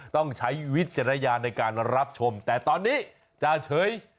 ต้องใช้วิจารณญาณในการรับชมแต่ตอนนี้จะเฉย